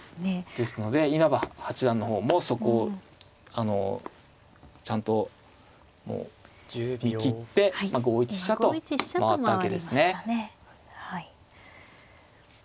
ですので稲葉八段の方もそこをちゃんともう見切って５一飛車と回ったわけですね。